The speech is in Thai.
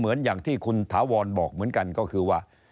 อย่างที่คุณถาวรบอกเหมือนกันก็คือว่า